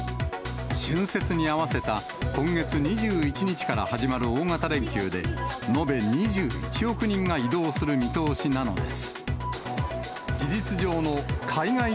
春節に合わせた今月２１日から始まる大型連休で、延べ２１億人が移動する見通しなのです。